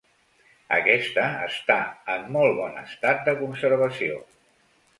Aquesta està en molt bon estat de conservació.